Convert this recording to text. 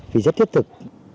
vì rất thiết thực